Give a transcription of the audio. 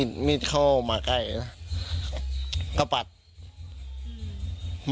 ก็ปัดนะครับปัดไม่ให้มิดเข้ามาใกล้นะ